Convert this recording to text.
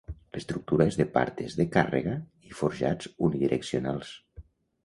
L'estructura és de partes de càrrega i forjats unidireccionals.